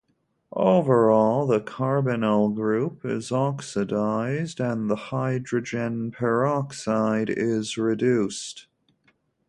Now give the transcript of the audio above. Overall, the carbonyl group is oxidized, and the hydrogen peroxide is reduced.